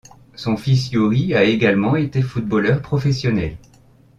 Son fils Youri a également été footballeur professionnel.